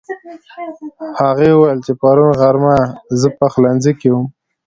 هغې وويل چې پرون غرمه زه په پخلنځي کې وم